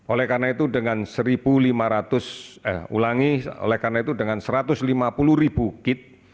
oleh karena itu dengan satu lima ratus eh ulangi oleh karena itu dengan satu ratus lima puluh ribu kit